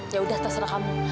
yaudah terserah kamu